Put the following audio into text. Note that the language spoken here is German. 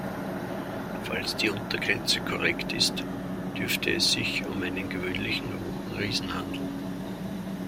Falls die Untergrenze korrekt ist, dürfte es sich um einen gewöhnlichen Roten Riesen handeln.